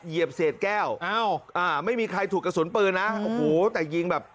เหยียบเศษแก้วอ้าวอ่าไม่มีใครถูกกระสุนปืนนะโอ้โหแต่ยิงแบบ